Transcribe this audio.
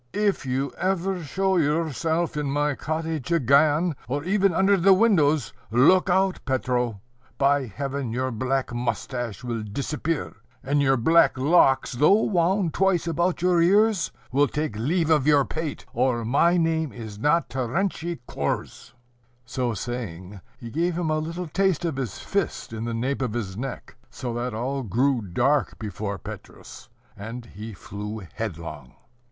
"If you ever show yourself in my cottage again, or even under the windows, look out, Petro! by Heaven, your black moustache will disappear; and your black locks, though wound twice about your ears, will take leave of your pate, or my name is not Terentiy Korzh." So saying, he gave him a little taste of his fist in the nape of his neck, so that all grew dark before Petrus, and he flew headlong.